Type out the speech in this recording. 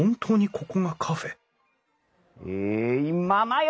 えいままよ！